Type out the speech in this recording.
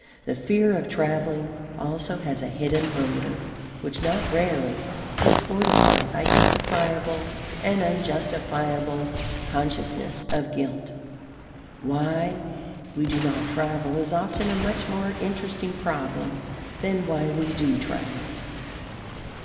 The fear of travelling also has a hidden motive which not rarely is fortified by justifiable and unjustifiable consciousness of guilt. Why we do not travel is often a much more interesting problem than why we do travel.